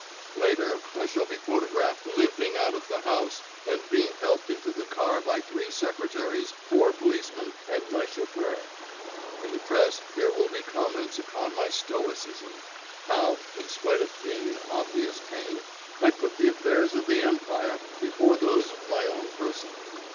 "Later I shall be photographed limping out of the house and being helped into the car by three secretaries, four policemen and my chauffeur. In the press there will be comments upon my stoicism. How, in spite of being in obvious pain, I put the affairs of the Empire before those of my own person.